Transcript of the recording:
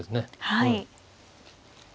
はい。